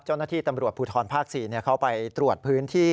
เจ้าหน้าที่ตำรวจภูทรภาค๔เขาไปตรวจพื้นที่